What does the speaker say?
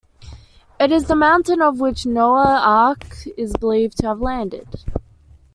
It is the mountain on which Noah's Ark is believed to have landed.